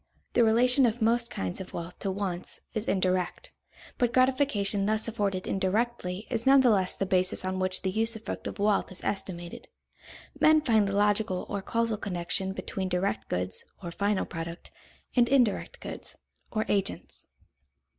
The relation of most kinds of wealth to wants is indirect; but gratification thus afforded indirectly is none the less the basis on which the usufruct of wealth is estimated. Men find the logical or causal connection between direct goods, or final product, and indirect goods, or agents.